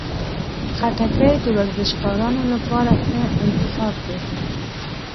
خټکی د ورزشکارانو لپاره ښه انتخاب دی.